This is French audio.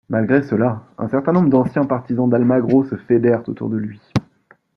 Malgré cela, un certain nombre d'anciens partisans d'Almagro se fédèrent autour de lui.